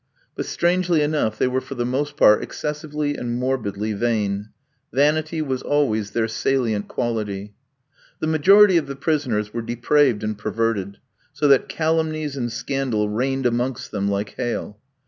But strangely enough, they were for the most part excessively and morbidly vain. Vanity was always their salient quality. The majority of the prisoners were depraved and perverted, so that calumnies and scandal rained amongst them like hail.